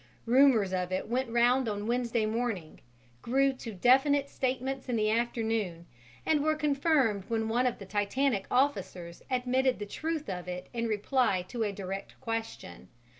Rumours of it went round on Wednesday morning, grew to definite statements in the afternoon, and were confirmed when one of the Titanic officers admitted the truth of it in reply to a direct question.